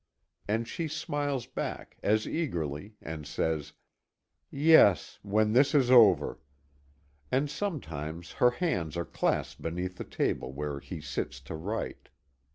And she smiles back as eagerly and says: "Yes, when this is over!" And sometimes her hands are clasped beneath the table where he sits to write.